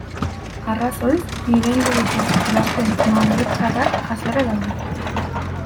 Arrazoiz, nire inguruko gazte magrebtarrak haserre daude.